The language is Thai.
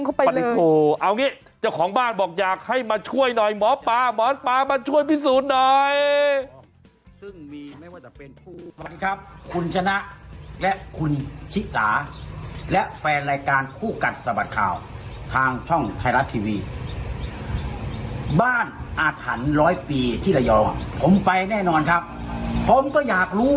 โอ้โหเอางี้เจ้าของบ้านบอกอยากให้มาช่วยหน่อยหมอปลาหมอปลามาช่วยพิสูจน์หน่อย